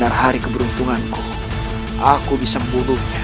kau sungguh beruntung kian sata